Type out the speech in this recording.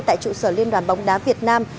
tại trụ sở liên đoàn bóng đá việt nam